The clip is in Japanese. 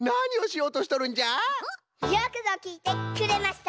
よくぞきいてくれました！